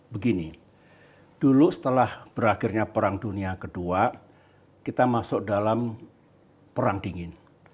begini dulu setelah berakhirnya perang dunia ii kita masuk dalam perang dingin